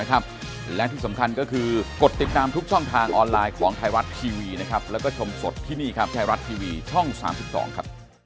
ขอบคุณครับสวัสดีครับ